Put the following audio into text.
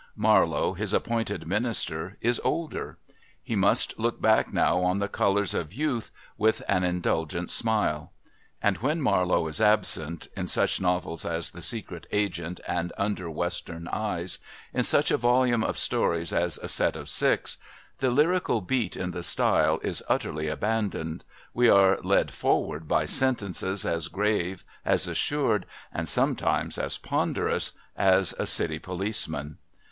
Marlowe, his appointed minister, is older he must look back now on the colours of Youth with an indulgent smile. And when Marlowe is absent, in such novels as The Secret Agent and Under Western Eyes, in such a volume of stories as A Set of Six, the lyrical beat in the style is utterly abandoned we are led forward by sentences as grave, as assured, and sometimes as ponderous as a city policeman.